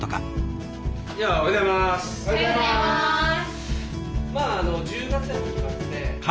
おはようございます。